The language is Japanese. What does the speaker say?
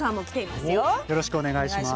よろしくお願いします。